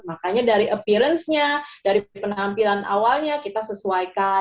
makanya dari appearance nya dari penampilan awalnya kita sesuaikan